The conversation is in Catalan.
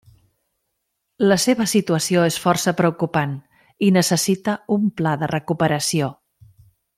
La seva situació és força preocupant i necessita un pla de recuperació.